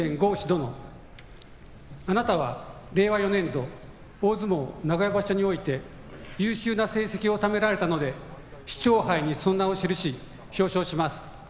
殿あなたは令和４年度大相撲名古屋場所において優秀な成績を収められたので市長杯にその名を記し表彰します。